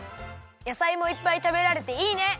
やさいもいっぱいたべられていいね！